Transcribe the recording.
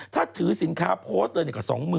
จากกระแสของละครกรุเปสันนิวาสนะฮะ